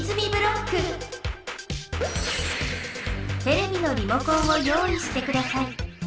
テレビのリモコンを用意してください。